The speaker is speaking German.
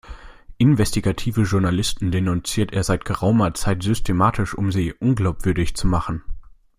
Investigative Journalisten denunziert er seit geraumer Zeit systematisch, um sie unglaubwürdig zu machen.